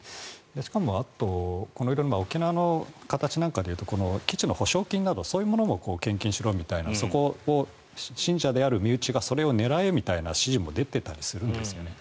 しかも、あと沖縄の形なんかでいうと基地の保証金などそういうものも献金しろみたいなそこを信者である身内がそれを狙えみたいな指示も出てたりするんですよね。